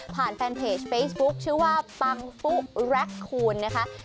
ผ่านแฟนเพจเฟซบุ๊กชื่อว่าปังฟุรัคคูณนะคะ